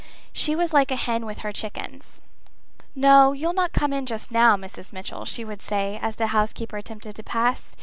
She was like a hen with her chickens. "No, you'll not come in just now, Mrs. Mitchell," she would say, as the housekeeper attempted to pass.